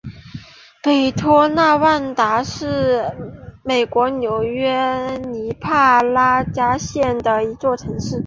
北托纳万达是美国纽约州尼亚加拉县的一座城市。